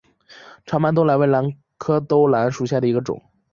长瓣兜兰为兰科兜兰属下的一个种。